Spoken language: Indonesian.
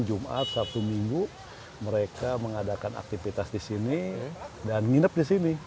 jumat sabtu minggu mereka mengadakan aktivitas di sini dan nginep di sini